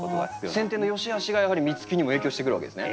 せん定のよしあしがやはり実つきにも影響してくるわけですね？